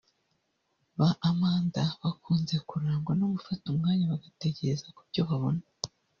Ba Amanda bakunze kurangwa no gufata umwanya bagatekereza kubyo babona